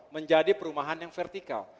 menjadi perumahan yang vertikal